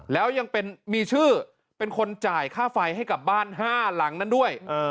แล้วยังมีชื่อเป็นคนจ่ายค่าไฟให้กับบ้าน๕หลังนั้นด้วย